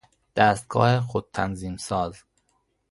دستگاه خودتنظیم ساز